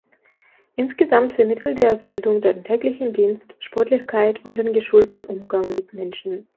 Insgesamt vermittelt die Ausbildung den täglichen Dienst, Sportlichkeit und den geschulten Umgang mit Menschen.